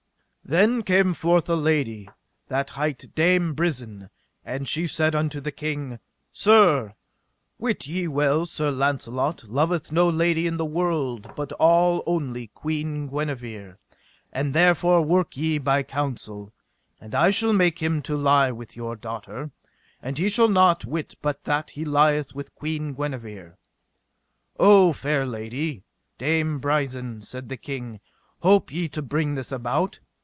Then came forth a lady that hight Dame Brisen, and she said unto the king: Sir, wit ye well Sir Launcelot loveth no lady in the world but all only Queen Guenever; and therefore work ye by counsel, and I shall make him to lie with your daughter, and he shall not wit but that he lieth with Queen Guenever. O fair lady, Dame Brisen, said the king, hope ye to bring this about?